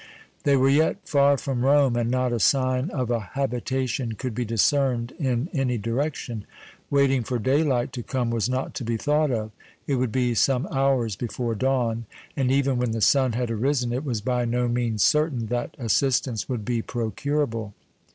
They were yet far from Rome, and not a sign of a habitation could be discerned in any direction. Waiting for daylight to come was not to be thought of; it would be some hours before dawn, and even when the sun had arisen it was by no means certain that assistance would be procurable.